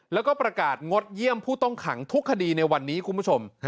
แล้วก็ประกาศงดเยี่ยมผู้ต้องขังทุกคดีในวันนี้คุณผู้ชม